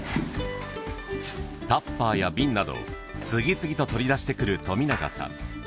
タッパーや瓶など次々と取り出してくる富永さん。